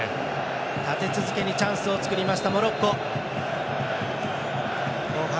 立て続けにチャンスを作りましたモロッコ。